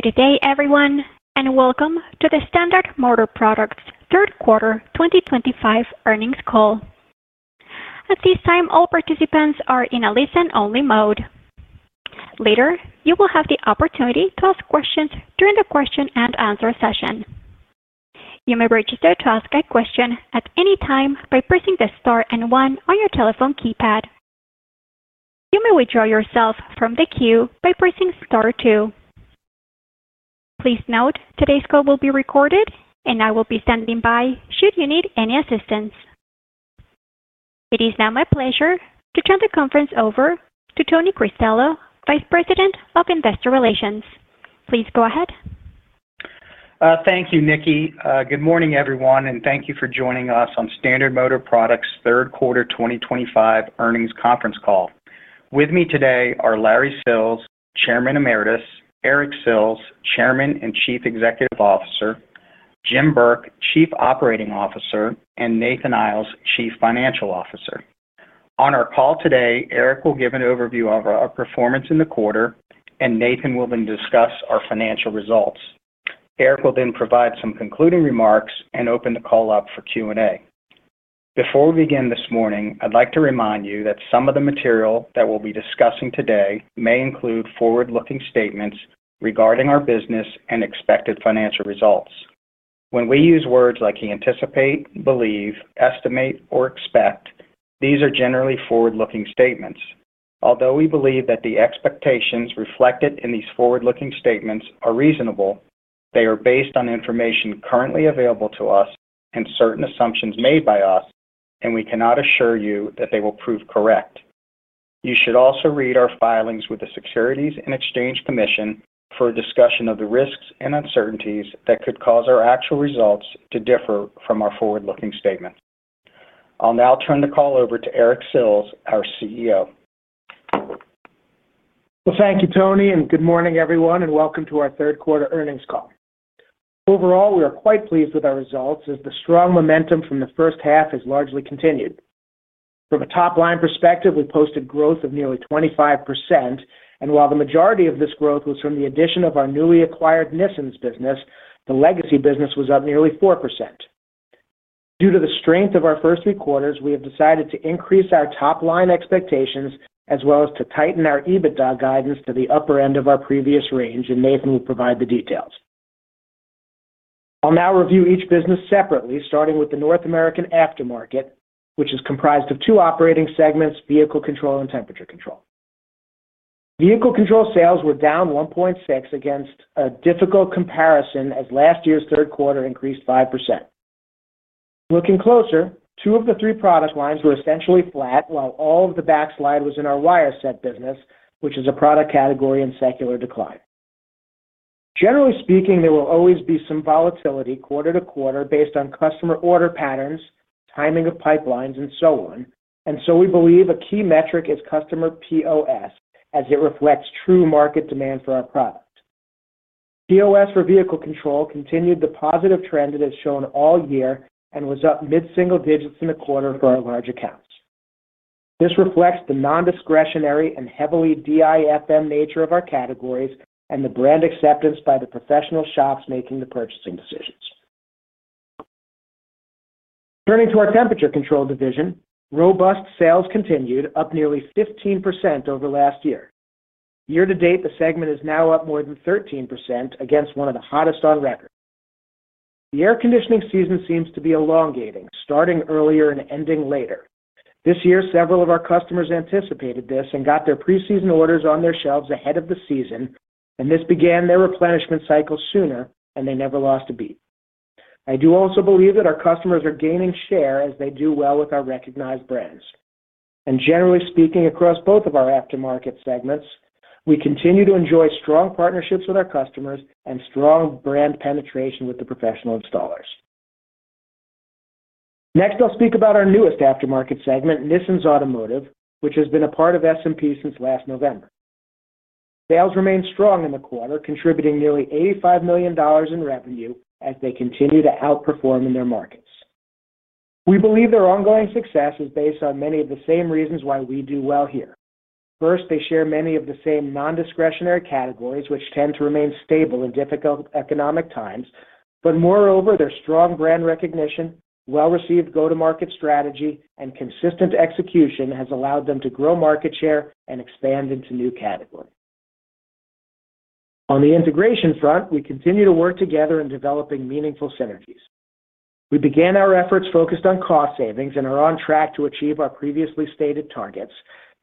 Good day, everyone, and welcome to the Standard Motor Products Third Quarter 2025 Earnings Call. At this time, all participants are in a listen-only mode. Later, you will have the opportunity to ask questions during the question and answer session. You may register to ask a question at any time by pressing the star and one on your telephone keypad. You may withdraw yourself from the queue by pressing star two. Please note, today's call will be recorded, and I will be standing by should you need any assistance. It is now my pleasure to turn the conference over to Tony Cristello, Vice President of Investor Relations. Please go ahead. Thank you, Nikki. Good morning, everyone, and thank you for joining us on Standard Motor Products third quarter 2025 earnings conference call. With me today are Larry Sills, Chairman Emeritus, Eric Sills, Chairman and Chief Executive Officer, Jim Burke, Chief Operating Officer, and Nathan Iles, Chief Financial Officer. On our call today, Eric will give an overview of our performance in the quarter, and Nathan will then discuss our financial results. Eric will then provide some concluding remarks and open the call up for Q&A. Before we begin this morning, I'd like to remind you that some of the material that we'll be discussing today may include forward-looking statements regarding our business and expected financial results. When we use words like anticipate, believe, estimate, or expect, these are generally forward-looking statements. Although we believe that the expectations reflected in these forward-looking statements are reasonable, they are based on information currently available to us and certain assumptions made by us, and we cannot assure you that they will prove correct. You should also read our filings with the Securities and Exchange Commission for a discussion of the risks and uncertainties that could cause our actual results to differ from our forward-looking statements. I'll now turn the call over to Eric Sills, our CEO. Thank you, Tony, and good morning, everyone, and welcome to our third quarter earnings call. Overall, we are quite pleased with our results as the strong momentum from the first half has largely continued. From a top-line perspective, we posted growth of nearly 25%, and while the majority of this growth was from the addition of our newly acquired Nissens business, the legacy business was up nearly 4%. Due to the strength of our first three quarters, we have decided to increase our top-line expectations as well as to tighten our EBITDA guidance to the upper end of our previous range, and Nathan will provide the details. I'll now review each business separately, starting with the North American aftermarket, which is comprised of two operating segments: Vehicle Control and Temperature Control. Vehicle Control sales were down 1.6% against a difficult comparison as last year's third quarter increased 5%. Looking closer, two of the three product lines were essentially flat while all of the backslide was in our wire set business, which is a product category in secular decline. Generally speaking, there will always be some volatility quarter to quarter based on customer order patterns, timing of pipelines, and so on, and we believe a key metric is customer POS as it reflects true market demand for our product. POS for Vehicle Control continued the positive trend it has shown all year and was up mid-single digits in the quarter for our large accounts. This reflects the non-discretionary and heavily DIFM nature of our categories and the brand acceptance by the professional shops making the purchasing decisions. Turning to our Temperature Control division, robust sales continued, up nearly 15% over last year. Year-to-date, the segment is now up more than 13% against one of the hottest on record. The air conditioning season seems to be elongating, starting earlier and ending later. This year, several of our customers anticipated this and got their preseason orders on their shelves ahead of the season, and this began their replenishment cycle sooner, and they never lost a beat. I do also believe that our customers are gaining share as they do well with our recognized brands. Generally speaking, across both of our aftermarket segments, we continue to enjoy strong partnerships with our customers and strong brand penetration with the professional installers. Next, I'll speak about our newest aftermarket segment, Nissens Automotive, which has been a part of SMPs since last November. Sales remained strong in the quarter, contributing nearly $85 million in revenue as they continue to outperform in their markets. We believe their ongoing success is based on many of the same reasons why we do well here. First, they share many of the same non-discretionary categories, which tend to remain stable in difficult economic times. Moreover, their strong brand recognition, well-received go-to-market strategy, and consistent execution has allowed them to grow market share and expand into new categories. On the integration front, we continue to work together in developing meaningful synergies. We began our efforts focused on cost savings and are on track to achieve our previously stated targets.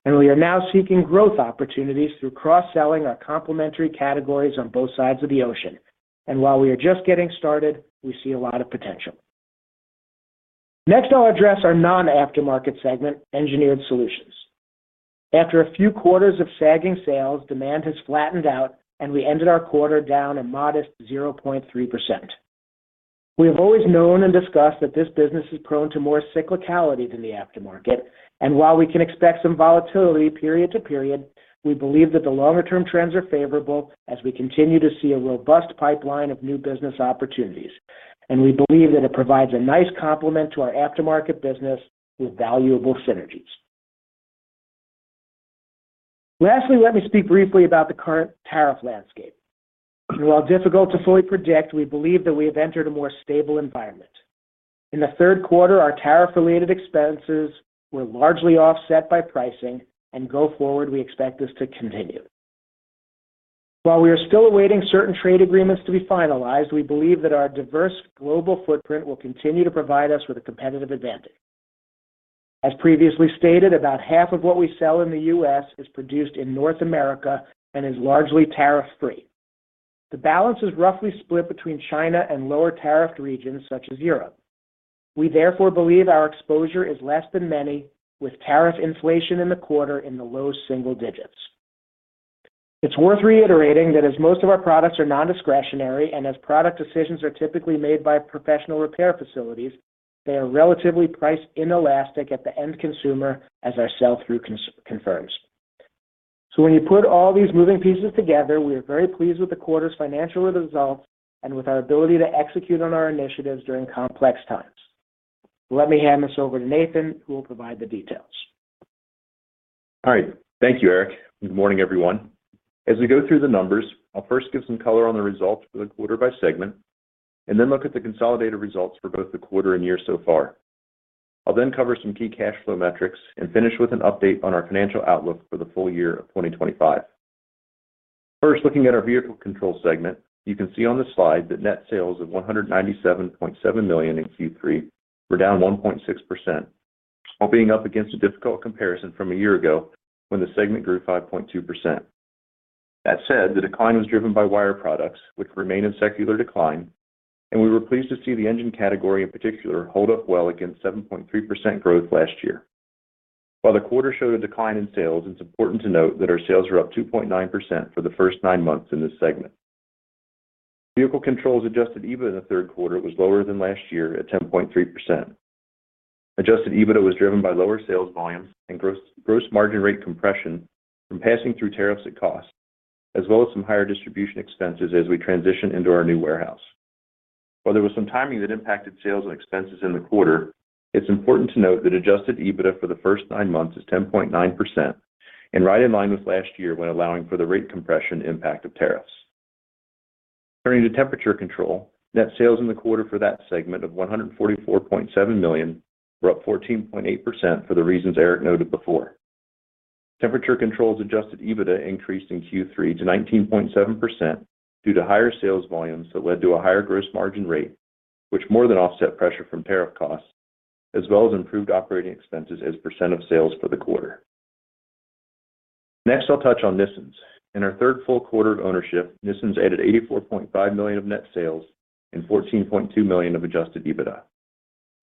We are now seeking growth opportunities through cross-selling our complementary categories on both sides of the ocean, and while we are just getting started, we see a lot of potential. Next, I'll address our non-aftermarket segment, Engineered Solutions. After a few quarters of sagging sales, demand has flattened out, and we ended our quarter down a modest 0.3%. We have always known and discussed that this business is prone to more cyclicality than the aftermarket, and while we can expect some volatility period to period, we believe that the longer-term trends are favorable as we continue to see a robust pipeline of new business opportunities. We believe that it provides a nice complement to our aftermarket business with valuable synergies. Lastly, let me speak briefly about the current tariff landscape. While difficult to fully predict, we believe that we have entered a more stable environment. In the third quarter, our tariff-related expenses were largely offset by pricing, and going forward, we expect this to continue. While we are still awaiting certain trade agreements to be finalized, we believe that our diverse global footprint will continue to provide us with a competitive advantage. As previously stated, about half of what we sell in the U.S. is produced in North America and is largely tariff-free. The balance is roughly split between China and lower tariffed regions such as Europe. We therefore believe our exposure is less than many, with tariff inflation in the quarter in the low single digits. It's worth reiterating that as most of our products are non-discretionary and as product decisions are typically made by professional repair facilities, they are relatively price inelastic at the end consumer, as our sell-through confirms. When you put all these moving pieces together, we are very pleased with the quarter's financial results and with our ability to execute on our initiatives during complex times. Let me hand this over to Nathan, who will provide the details. All right. Thank you, Eric. Good morning, everyone. As we go through the numbers, I'll first give some color on the results for the quarter by segment, and then look at the consolidated results for both the quarter and year so far. I'll then cover some key cash flow metrics and finish with an update on our financial outlook for the full-year of 2025. First, looking at our Vehicle Control segment, you can see on the slide that net sales of $197.7 million in Q3 were down 1.6%, all being up against a difficult comparison from a year ago when the segment grew 5.2%. That said, the decline was driven by wire products, which remain in secular decline, and we were pleased to see the engine category in particular hold up well against 7.3% growth last year. While the quarter showed a decline in sales, it's important to note that our sales were up 2.9% for the first nine months in this segment. Vehicle Control's adjusted EBIT in the third quarter was lower than last year at 10.3%. Adjusted EBITDA was driven by lower sales volumes and gross margin rate compression from passing through tariffs at cost, as well as some higher distribution expenses as we transitioned into our new warehouse. While there was some timing that impacted sales and expenses in the quarter, it's important to note that adjusted EBITDA for the first nine months is 10.9% and right in line with last year when allowing for the rate compression impact of tariffs. Turning to Temperature Control, net sales in the quarter for that segment of $144.7 million were up 14.8% for the reasons Eric noted before. Temperature Control's adjusted EBITDA increased in Q3 to 19.7% due to higher sales volumes that led to a higher gross margin rate, which more than offset pressure from tariff costs, as well as improved operating expenses as percent of sales for the quarter. Next, I'll touch on Nissens. In our third full quarter of ownership, Nissens added $84.5 million of net sales and $14.2 million of adjusted EBITDA.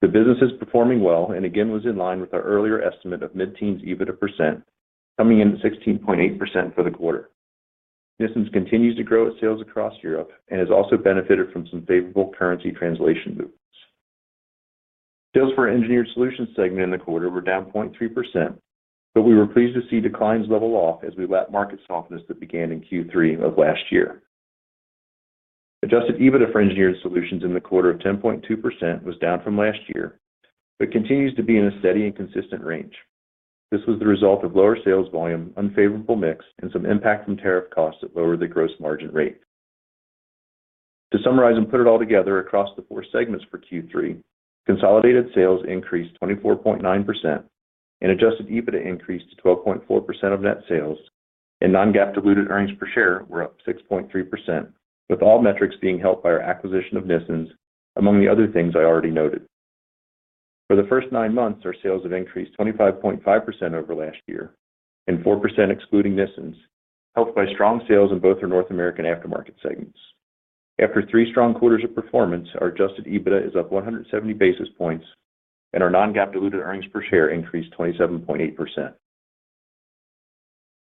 The business is performing well and again was in line with our earlier estimate of mid-teens EBITDA percent, coming in at 16.8% for the quarter. Nissens continues to grow its sales across Europe and has also benefited from some favorable currency translation movements. Sales for our Engineered Solutions segment in the quarter were down 0.3%, but we were pleased to see declines level off as we let market softness that began in Q3 of last year. Adjusted EBITDA for Engineered Solutions in the quarter of 10.2% was down from last year, but continues to be in a steady and consistent range. This was the result of lower sales volume, unfavorable mix, and some impact from tariff costs that lowered the gross margin rate. To summarize and put it all together across the four segments for Q3, consolidated sales increased 24.9%, and adjusted EBITDA increased to 12.4% of net sales, and non-GAAP diluted earnings per share were up 6.3%, with all metrics being helped by our acquisition of Nissens, among the other things I already noted. For the first nine months, our sales have increased 25.5% over last year, and 4% excluding Nissens, helped by strong sales in both our North American aftermarket segments. After three strong quarters of performance, our adjusted EBITDA is up 170 basis points, and our non-GAAP diluted earnings per share increased 27.8%.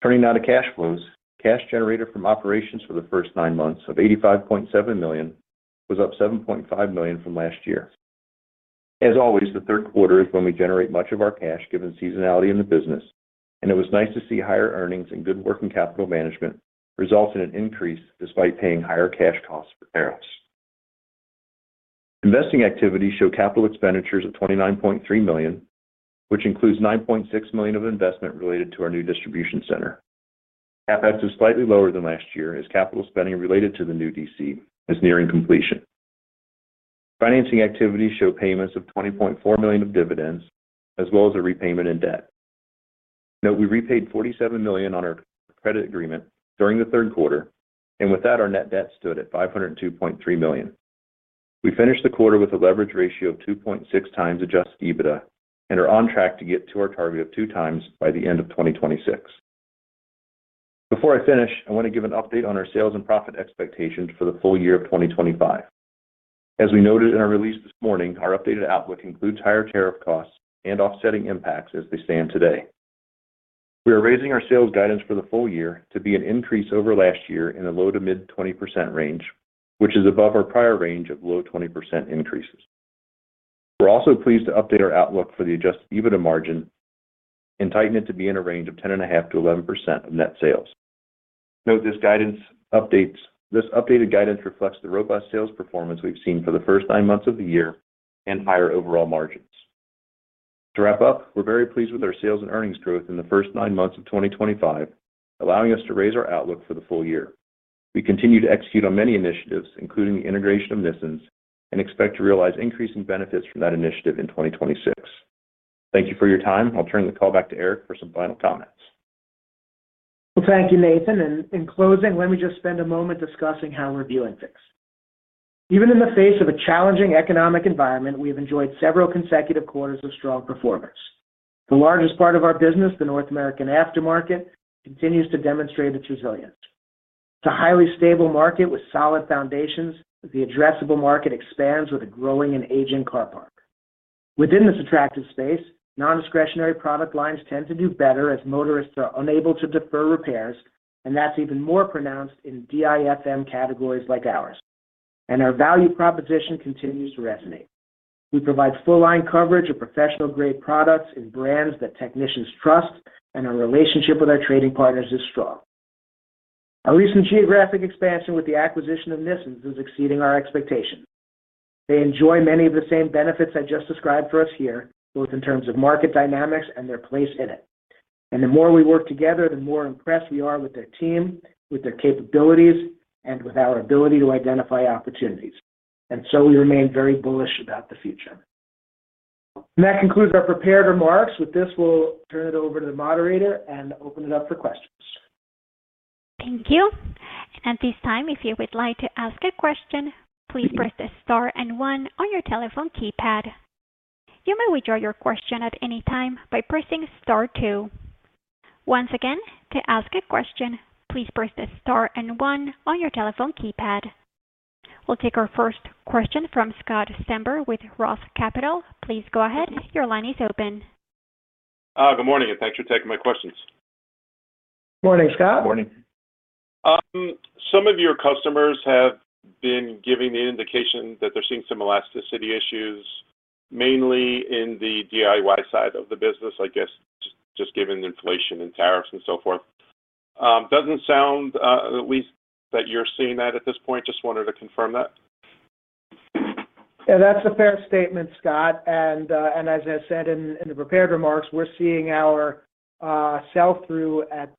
Turning now to cash flows, cash generated from operations for the first nine months of $85.7 million was up $7.5 million from last year. As always, the third quarter is when we generate much of our cash given seasonality in the business, and it was nice to see higher earnings and good working capital management result in an increase despite paying higher cash costs for tariffs. Investing activity showed capital expenditures of $29.3 million, which includes $9.6 million of investment related to our new distribution center. CapEx was slightly lower than last year as capital spending related to the new DC is nearing completion. Financing activity showed payments of $20.4 million of dividends, as well as a repayment in debt. Note we repaid $47 million on our credit agreement during the third quarter, and with that, our net debt stood at $502.3 million. We finished the quarter with a leverage ratio of 2.6x adjusted EBITDA and are on track to get to our target of 2x by the end of 2026. Before I finish, I want to give an update on our sales and profit expectations for the full year of 2025. As we noted in our release this morning, our updated outlook includes higher tariff costs and offsetting impacts as they stand today. We are raising our sales guidance for the full year to be an increase over last year in a low to mid-20% range, which is above our prior range of low 20% increases. We're also pleased to update our outlook for the adjusted EBITDA margin and tighten it to be in a range of 10.5% to 11% of net sales. Note this updated guidance reflects the robust sales performance we've seen for the first nine months of the year and higher overall margins. To wrap up, we're very pleased with our sales and earnings growth in the first nine months of 2025, allowing us to raise our outlook for the full year. We continue to execute on many initiatives, including the integration of Nissens, and expect to realize increasing benefits from that initiative in 2026. Thank you for your time. I'll turn the call back to Eric for some final comments. Thank you, Nathan. In closing, let me just spend a moment discussing how we're viewing things. Even in the face of a challenging economic environment, we have enjoyed several consecutive quarters of strong performance. The largest part of our business, the North American aftermarket, continues to demonstrate its resilience. It's a highly stable market with solid foundations, and the addressable market expands with a growing and aging car park. Within this attractive space, non-discretionary product lines tend to do better as motorists are unable to defer repairs, and that's even more pronounced in DIFM categories like ours. Our value proposition continues to resonate. We provide full-line coverage of professional-grade products and brands that technicians trust, and our relationship with our trading partners is strong. Our recent geographic expansion with the acquisition of Nissens is exceeding our expectations. They enjoy many of the same benefits I just described for us here, both in terms of market dynamics and their place in it. The more we work together, the more impressed we are with their team, with their capabilities, and with our ability to identify opportunities. We remain very bullish about the future. That concludes our prepared remarks. With this, we'll turn it over to the moderator and open it up for questions. Thank you. At this time, if you would like to ask a question, please press the star and one on your telephone keypad. You may withdraw your question at any time by pressing star two. Once again, to ask a question, please press the star and one on your telephone keypad. We'll take our first question from Scott Stember with ROTH Capital. Please go ahead. Your line is open. Good morning, and thanks for taking my questions. Morning, Scott. Morning. Some of your customers have been giving the indication that they're seeing some elasticity issues, mainly in the DIY side of the business, I guess, just given inflation and tariffs and so forth. It doesn't sound, at least, that you're seeing that at this point. Just wanted to confirm that. Yeah, that's a fair statement, Scott. As I said in the prepared remarks, we're seeing our sell-through at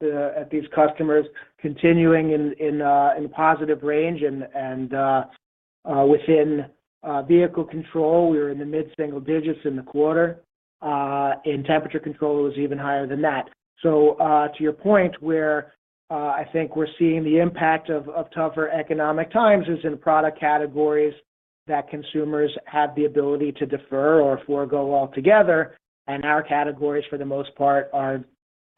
these customers continuing in a positive range. Within Vehicle Control, we were in the mid-single digits in the quarter. In Temperature Control, it was even higher than that. To your point, I think we're seeing the impact of tougher economic times in product categories that consumers have the ability to defer or forego altogether, and our categories, for the most part, are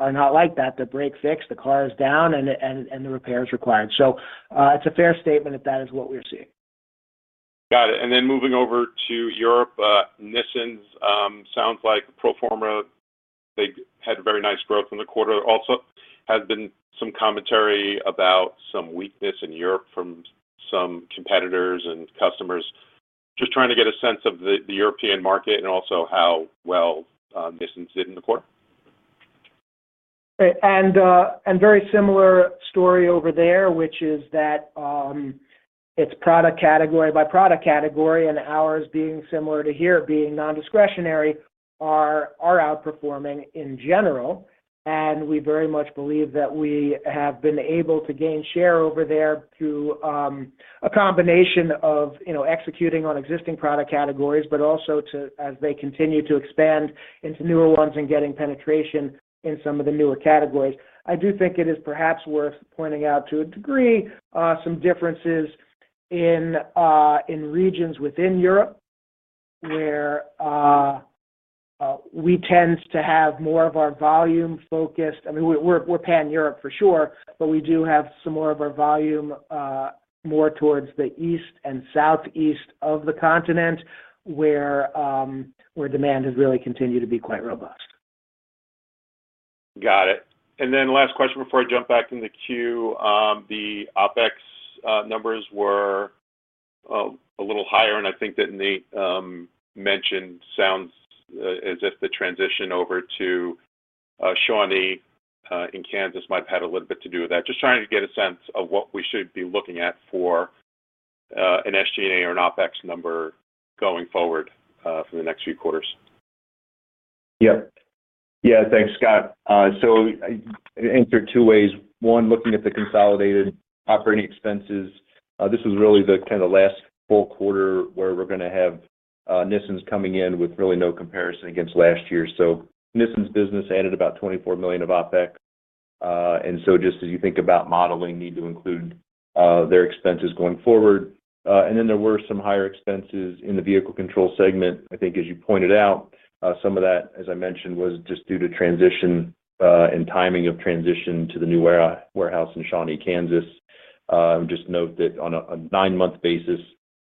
not like that. The break-fix, the car is down, and the repair is required. It's a fair statement that that is what we're seeing. Got it. Moving over to Europe, Nissens sounds like pro forma. They had very nice growth in the quarter. There also has been some commentary about some weakness in Europe from some competitors and customers. Just trying to get a sense of the European market and also how well Nissens did in the quarter. A very similar story over there is that it's product category by product category, and ours being similar to here, being non-discretionary, are outperforming in general. We very much believe that we have been able to gain share over there through a combination of executing on existing product categories, but also as they continue to expand into newer ones and getting penetration in some of the newer categories. I do think it is perhaps worth pointing out to a degree some differences in regions within Europe, where we tend to have more of our volume focused. I mean, we're pan-Europe for sure, but we do have some more of our volume more towards the east and southeast of the continent, where demand has really continued to be quite robust. Got it. Last question before I jump back in the queue. The OpEx numbers were a little higher, and I think that Nate mentioned it sounds as if the transition over to Shawnee in Kansas might have had a little bit to do with that. Just trying to get a sense of what we should be looking at for an SG&A or an OpEx number going forward for the next few quarters. Yeah, thanks, Scott. I answered two ways. One, looking at the consolidated operating expenses, this was really the kind of last full quarter where we're going to have Nissens coming in with really no comparison against last year. Nissens business added about $24 million of OpEx. Just as you think about modeling, need to include their expenses going forward. There were some higher expenses in the Vehicle Control segment. I think, as you pointed out, some of that, as I mentioned, was just due to transition and timing of transition to the new warehouse in Shawnee, Kansas. Just note that on a nine-month basis,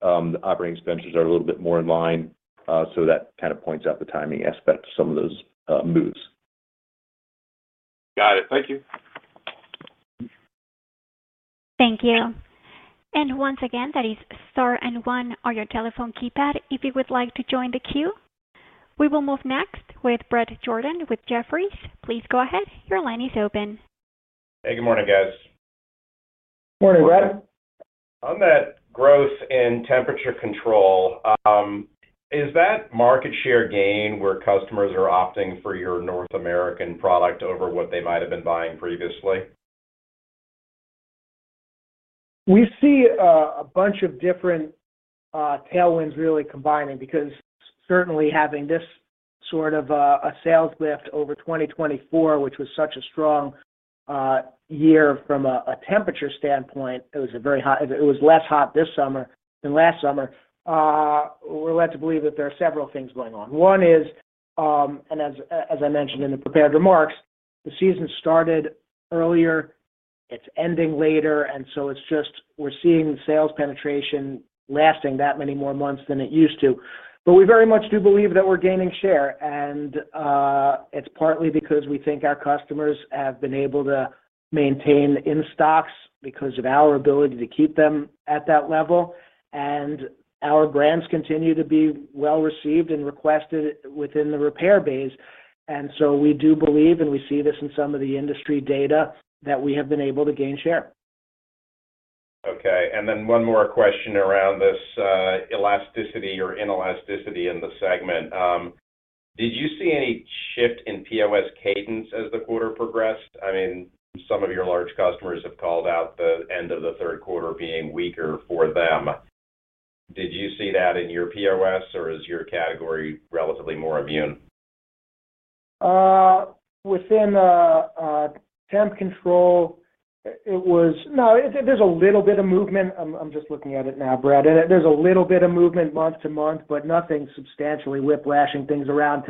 the operating expenses are a little bit more in line. That kind of points out the timing aspect of some of those moves. Got it. Thank you. Thank you. Once again, that is star and one on your telephone keypad if you would like to join the queue. We will move next with Bret Jordan with Jefferies. Please go ahead. Your line is open. Hey, good morning, guys. Morning, Bret? I'm at growth in Temperature Control. Is that market share gain where customers are opting for your North American product over what they might have been buying previously? We see a bunch of different tailwinds really combining because certainly having this sort of a sales lift over 2024, which was such a strong year from a Temperature standpoint, it was a very hot, it was less hot this summer than last summer. We're led to believe that there are several things going on. One is, as I mentioned in the prepared remarks, the season started earlier, it's ending later, and we're seeing the sales penetration lasting that many more months than it used to. We very much do believe that we're gaining share. It's partly because we think our customers have been able to maintain in stocks because of our ability to keep them at that level. Our brands continue to be well received and requested within the repair bays. We do believe, and we see this in some of the industry data, that we have been able to gain share. Okay. One more question around this elasticity or inelasticity in the segment. Did you see any shift in POS cadence as the quarter progressed? Some of your large customers have called out the end of the third quarter being weaker for them. Did you see that in your POS, or is your category relatively more immune? Within Temp Control, there was a little bit of movement. I'm just looking at it now, Bret. There's a little bit of movement month to month, but nothing substantially whiplashing things around.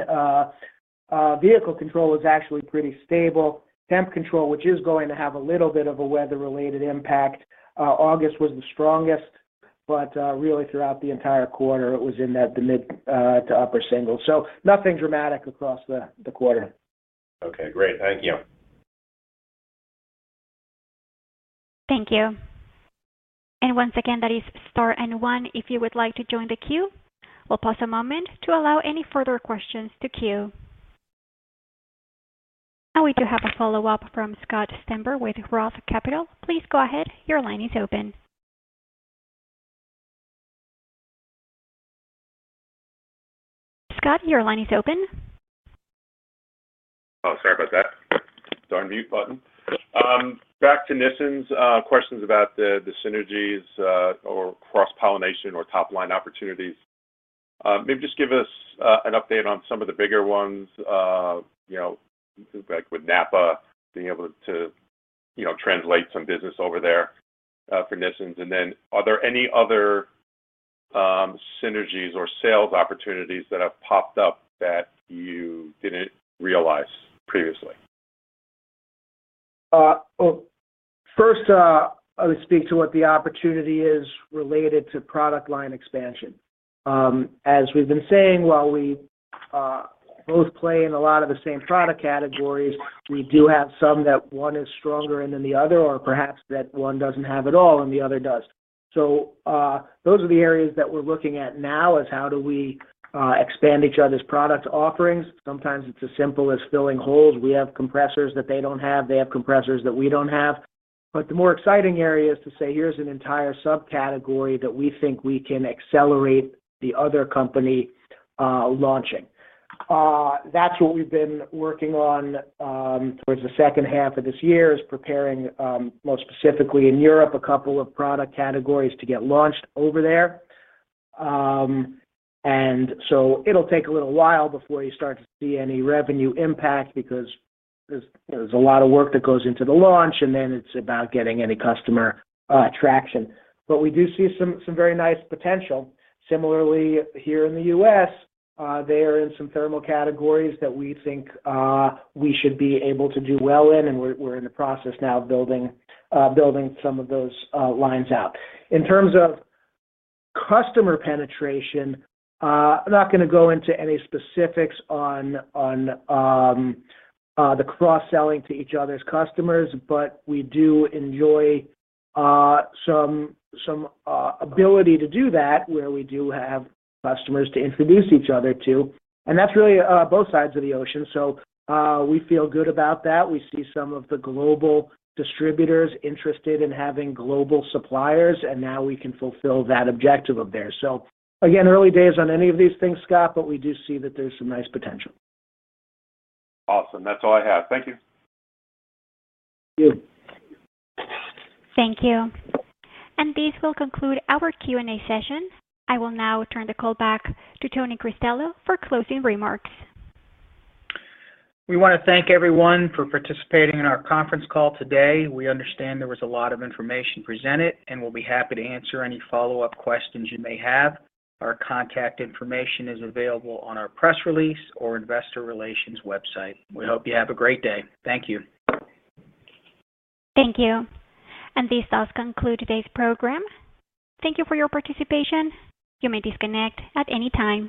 Vehicle Control is actually pretty stable. Temp Control, which is going to have a little bit of a weather-related impact. August was the strongest, but really throughout the entire quarter, it was in the mid to upper singles. Nothing dramatic across the quarter. Okay, great. Thank you. Thank you. That is star and one if you would like to join the queue. We'll pause a moment to allow any further questions to queue. We do have a follow-up from Scott Stember with ROTH Capital. Please go ahead. Your line is open. Scott, your line is open. Oh, sorry about that. Darn mute button. Back to Nissens, questions about the synergies or cross-pollination or top-line opportunities. Maybe just give us an update on some of the bigger ones, like with NAPA, being able to translate some business over there for Nissens. Are there any other synergies or sales opportunities that have popped up that you didn't realize previously? First, I would speak to what the opportunity is related to product line expansion. As we've been saying, while we both play in a lot of the same product categories, we do have some that one is stronger in than the other, or perhaps that one doesn't have at all and the other does. Those are the areas that we're looking at now, how do we expand each other's product offerings. Sometimes it's as simple as filling holes. We have compressors that they don't have. They have compressors that we don't have. The more exciting area is to say, here's an entire subcategory that we think we can accelerate the other company launching. That's what we've been working on. Towards the second half of this year is preparing, more specifically in Europe, a couple of product categories to get launched over there. It'll take a little while before you start to see any revenue impact because there's a lot of work that goes into the launch, and then it's about getting any customer traction. We do see some very nice potential. Similarly, here in the U.S., they are in some thermal categories that we think we should be able to do well in, and we're in the process now of building some of those lines out. In terms of customer penetration, I'm not going to go into any specifics on the cross-selling to each other's customers, but we do enjoy some ability to do that where we do have customers to introduce each other to. That's really both sides of the ocean. We feel good about that. We see some of the global distributors interested in having global suppliers, and now we can fulfill that objective of theirs. Again, early days on any of these things, Scott, but we do see that there's some nice potential. Awesome. That's all I have. Thank you. Thank you. Thank you. This will conclude our Q&A session. I will now turn the call back to Tony Cristello for closing remarks. We want to thank everyone for participating in our conference call today. We understand there was a lot of information presented, and we'll be happy to answer any follow-up questions you may have. Our contact information is available on our press release or investor relations website. We hope you have a great day. Thank you. Thank you. This does conclude today's program. Thank you for your participation. You may disconnect at any time.